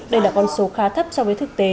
đây là con số khá thấp so với thực tế